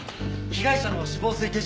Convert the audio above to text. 被害者の死亡推定